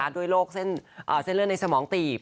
ด้วยโรคเส้นเลือดในสมองตีบ